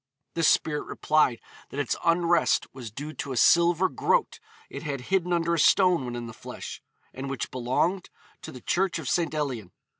The spirit replied that its unrest was due to a silver groat it had hidden under a stone when in the flesh, and which belonged to the church of St. Elian.